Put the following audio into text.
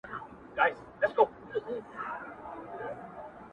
زما خواږه خواږه عطرونه ولي نه حسوې جانه؟،